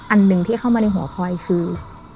อันหนึ่งที่เข้ามาในหัวพลอยคือ